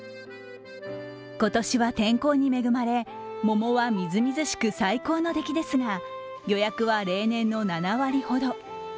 今年は天候に恵まれ、桃はみずみずしく最高の出来ですが予約は例年の７割ほど。